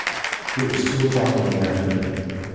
It was two o'clock in the afternoon.